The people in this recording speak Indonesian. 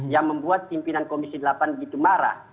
yang membuat pimpinan komisi delapan begitu marah